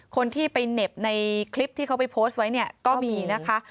คนที่ไปเหน็บในคลิปที่เขาไปโพสต์ไว้เนี่ยก็มีนะคะ